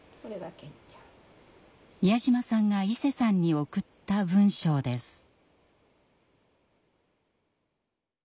美谷島さんがいせさんに送った文章です。